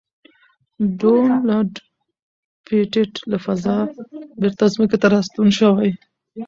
ډونلډ پېټټ له فضا بېرته ځمکې ته راستون شوی.